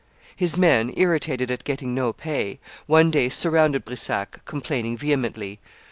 His men, irritated at getting no pay, one day surrounded Brissac, complaining vehemently.